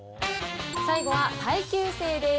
最後は耐久性です。